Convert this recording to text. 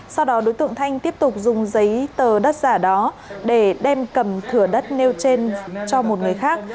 sau đó đối tượng thanh tiếp tục dùng giấy tờ đất giả đó để đem cầm thửa đất nêu trên cho một người khác